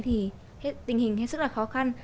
tình hình hết sức là khó khăn